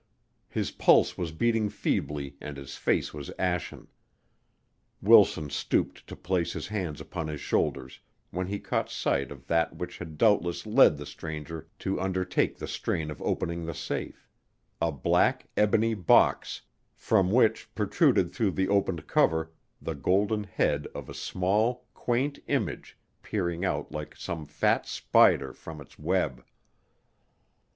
His pulse was beating feebly and his face was ashen. Wilson stooped to place his hands upon his shoulders, when he caught sight of that which had doubtless led the stranger to undertake the strain of opening the safe a black ebony box, from which protruded through the opened cover the golden head of a small, quaint image peering out like some fat spider from its web.